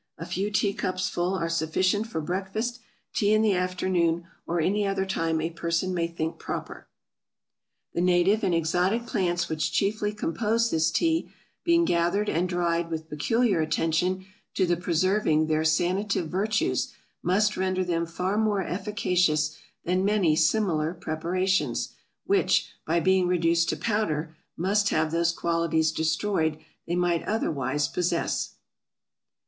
A few tea cups full are sufficient for breakfast, tea in the afternoon, or any other time a person may think proper. The native and exotic Plants which chiefly compose this Tea, being gathered and dried with peculiar attention to the preserving their Sanative Virtues, must render them far more efficacious than many similar Preparations, which, by being reduced to Powder, must have those qualities destroyed they might otherwise possess.